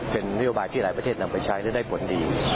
เป็นนโยบายที่หลายประเทศนำไปใช้และได้ผลดี